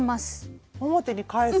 表に返す？